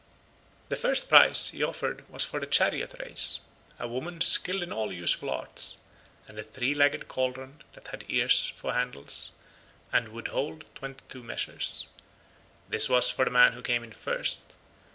The first prize he offered was for the chariot races—a woman skilled in all useful arts, and a three legged cauldron that had ears for handles, and would hold twenty two measures. This was for the man who came in first.